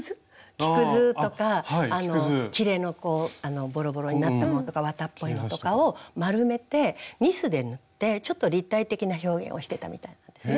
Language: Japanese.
木くずとかきれのボロボロになったものとか綿っぽいのとかを丸めてニスで塗ってちょっと立体的な表現をしてたみたいなんですね。